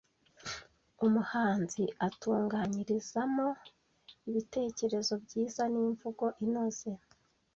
umuhanzi atunganyirizamo ibitekerezo byiza n’imvugo inoze